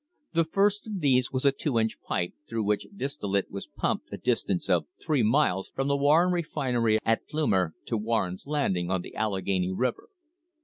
The first of these was a two inch pipe, through which distillate was pumped a distance of three miles from the Warren refinery at Plumer to Warren's Landing on the Allegheny River.